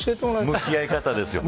向き合い方ですよ。